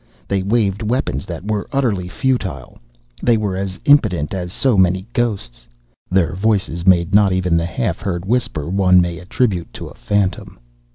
They waved weapons that were utterly futile. They were as impotent as so many ghosts. Their voices made not even the half heard whisper one may attribute to a phantom.